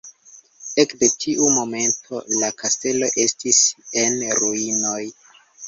Ekde tiu momento, la kastelo estis en ruinoj.